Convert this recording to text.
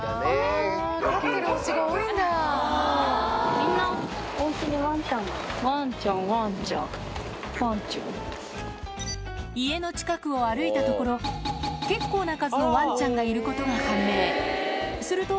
みんな、ワンちゃん、ワンちゃん、家の近くを歩いたところ、結構な数のワンちゃんがいることが判明。